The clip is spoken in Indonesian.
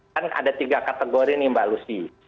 kan ada tiga kategori nih mbak lucy